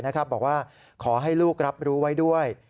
บอกว่าขอให้ลูกรับรู้ไว้ด้วย